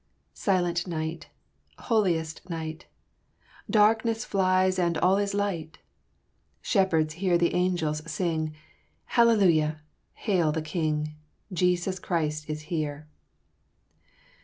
"Silent night! holiest night! Darkness flies and all is light! Shepherds hear the angels sing 'Hallelujah! hail the King! Jesus Christ is here!